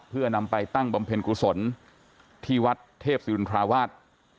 เพื่อนำไปตั้งบำเพ็ญกุศลที่วัดเทพศิรินทราวาส